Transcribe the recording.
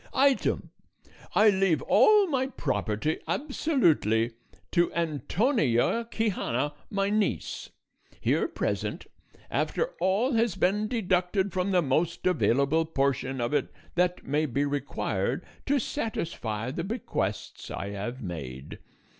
"Item I leave all my property absolutely to Antonia Quixana my niece, here present, after all has been deducted from the most available portion of it that may be required to satisfy the bequests I have made.